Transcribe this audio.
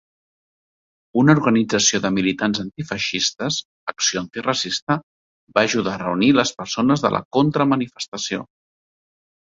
Una organització de militants antifeixistes, Acció antiracista, va ajudar a reunir les persones de la contramanifestació.